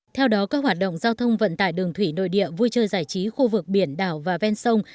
theo đó các hoạt động giao thông vận tải đường thủy nội địa vui chơi giải trí khu vực biển đảo và ven sông